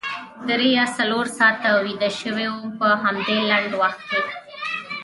درې یا څلور ساعته ویده شوې وم په همدې لنډ وخت کې.